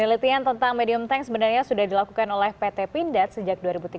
penelitian tentang medium tank sebenarnya sudah dilakukan oleh pt pindad sejak dua ribu tiga belas